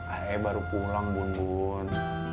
ai ai baru pulang bun bun